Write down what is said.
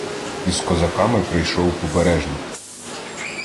Із козаками прийшов побережник.